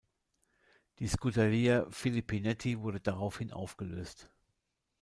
Die Scuderia Filipinetti wurde daraufhin aufgelöst.